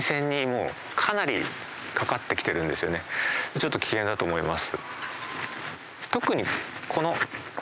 ちょっと危険だと思います。